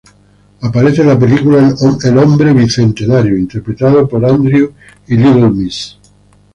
Aparece en la película "El hombre bicentenario", interpretado por Andrew y Little Miss.